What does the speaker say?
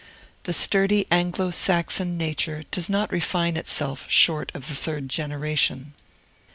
The sturdy Anglo Saxon nature does not refine itself short of the third generation.